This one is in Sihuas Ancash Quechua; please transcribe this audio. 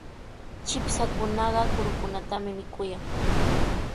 Chipshakunaqa kurukunatami mikuyan.